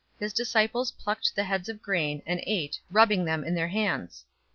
His disciples plucked the heads of grain, and ate, rubbing them in their hands.